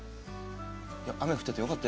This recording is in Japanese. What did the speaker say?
雨降っててよかったよ。